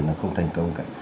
là không thành công cả